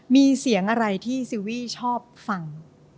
มีเสียงอะไรที่ซีวี่ชอบฟัง